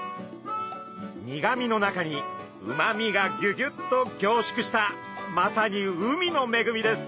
苦みの中にうまみがぎゅぎゅっと凝縮したまさに海のめぐみです。